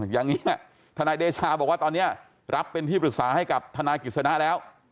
อย่างนี้ทนายเดชาบอกว่าตอนนี้รับเป็นที่ปรึกษาให้กับทนายกิจสนะแล้ว